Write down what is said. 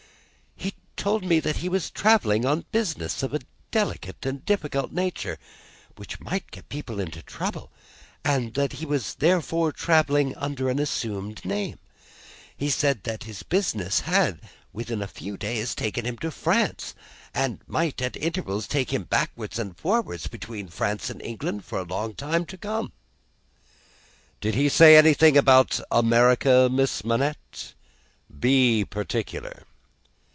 "He told me that he was travelling on business of a delicate and difficult nature, which might get people into trouble, and that he was therefore travelling under an assumed name. He said that this business had, within a few days, taken him to France, and might, at intervals, take him backwards and forwards between France and England for a long time to come." "Did he say anything about America, Miss Manette? Be particular."